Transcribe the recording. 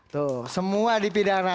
tuh semua dipidana